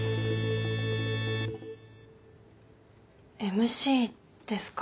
ＭＣですか？